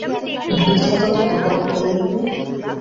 বিধাতা তো দোকান খোলেন নি।